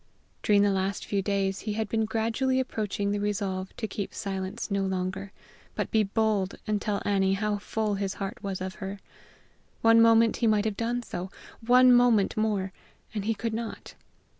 During the last few days he had been gradually approaching the resolve to keep silence no longer, but be bold and tell Annie how full his heart was of her. One moment he might have done so; one moment more, and he could not!